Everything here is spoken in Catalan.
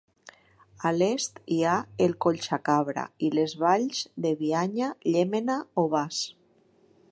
A l'est hi ha el Collsacabra i les valls de Bianya, Llémena o Bas.